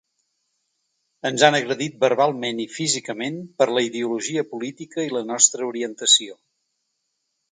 Ens han agredit verbalment i físicament per la ideologia política i la nostra orientació.